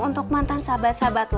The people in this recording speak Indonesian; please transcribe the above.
untuk mantan sahabat sahabat lo